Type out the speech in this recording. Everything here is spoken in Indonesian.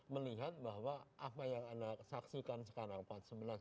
melihat bahwa apa yang anda saksikan sekarang pak